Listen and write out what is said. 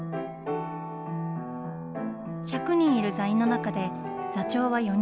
１００人いる座員の中で座長は４人。